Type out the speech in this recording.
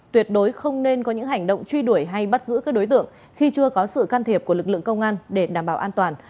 tuyệt đối không nên có những hành động truy đuổi hay bắt giữ các đối tượng khi chưa có sự can thiệp của lực lượng công an để đảm bảo an toàn